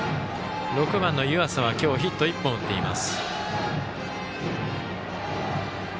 ６番の湯浅は今日ヒット１本打っています。